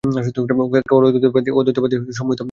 কেবল অদ্বৈতবাদীই সম্মোহিত হইতে চান না।